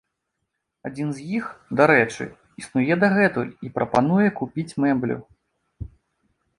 Адзін з іх, дарэчы, існуе дагэтуль і прапануе купіць мэблю.